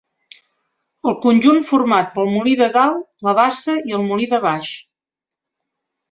El conjunt format pel molí de Dalt, la bassa i el molí de Baix.